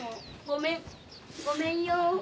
ごめんね。